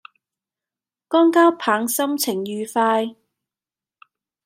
江交棒心情愉快